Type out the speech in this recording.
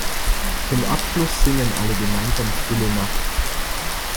Zum Abschluss singen alle gemeinsam Stille Nacht.